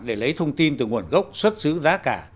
để lấy thông tin từ nguồn gốc xuất xứ giá cả